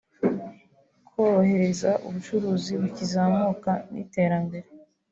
korohereza abacuruzi bakizamuka n’iterambere